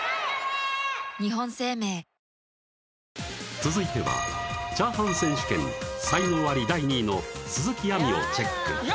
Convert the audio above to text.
続いてはチャーハン選手権才能アリ第２位の鈴木亜美をチェックいや